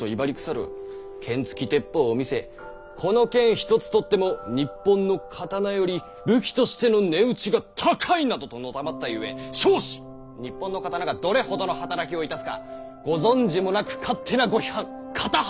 剣つき鉄砲を見せ「この剣一つとっても日本の刀より武器としての値打ちが高い」などとのたまったゆえ「笑止！日本の刀がどれほどの働きを致すかご存じもなく勝手なご批判片腹